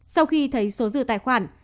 sau khi thấy số dư tài khoản